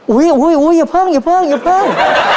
อุ๊ยอย่าเพิ่งอย่าเพิ่งอย่าเพิ่ง